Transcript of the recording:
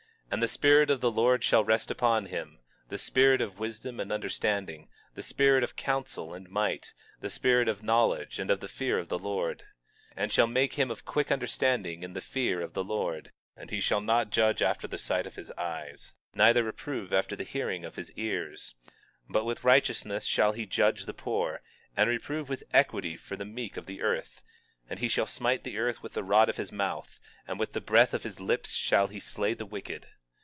21:2 And the Spirit of the Lord shall rest upon him, the spirit of wisdom and understanding, the spirit of counsel and might, the spirit of knowledge and of the fear of the Lord; 21:3 And shall make him of quick understanding in the fear of the Lord; and he shall not judge after the sight of his eyes, neither reprove after the hearing of his ears. 21:4 But with righteousness shall he judge the poor, and reprove with equity for the meek of the earth; and he shall smite the earth with the rod of his mouth, and with the breath of his lips shall he slay the wicked.